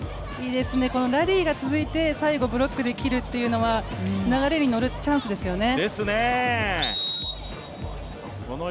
ラリーが続いて、最後ブロックで切るというのは、流れに乗るチャンスですよね。